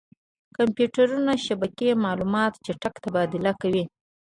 کمپیوټر شبکې معلومات چټک تبادله کوي.